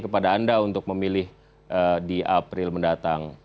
kepada anda untuk memilih di april mendatang